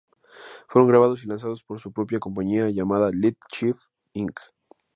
Fueron grabados y lanzados por su propia compañía llamada Little Chief, Inc.